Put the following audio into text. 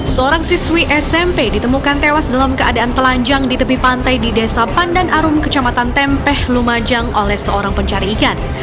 seorang siswi smp ditemukan tewas dalam keadaan telanjang di tepi pantai di desa pandan arum kecamatan tempeh lumajang oleh seorang pencari ikan